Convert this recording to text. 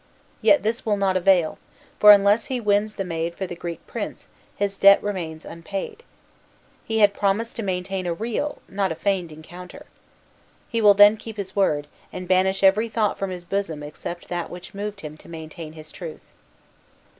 Yet this will not avail, for, unless he wins the maid for the Greek prince, his debt remains unpaid. He had promised to maintain a real, not a feigned encounter. He will then keep his word, and banish every thought from his bosom except that which moved him to maintain his truth.